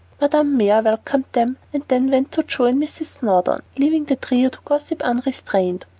Madame Mère welcomed them and then went to join Mrs. Snowdon, leaving the trio to gossip unrestrained.